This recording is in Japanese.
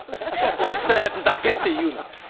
落ちたやつだけって言うな。